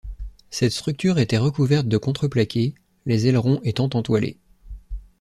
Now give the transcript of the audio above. Cette structure était recouverte de contreplaqué, les ailerons étant entoilés.